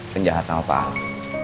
kejahat sama pak alam